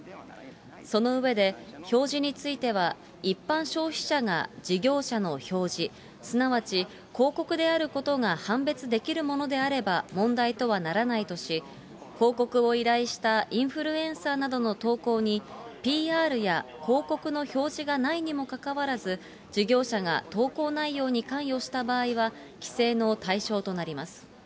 その上で、表示については一般消費者が事業者の表示、すなわち、広告であることが判別できるものであれば問題とはならないとし、広告を依頼したインフルエンサーなどの投稿に、ＰＲや広告の表示がないにもかかわらず、事業者が投稿内容に関与した場合は、規制の対象となります。